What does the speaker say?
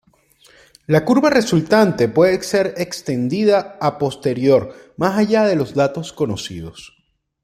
La curva resultante puede ser extendida a posterior más allá de los datos conocidos.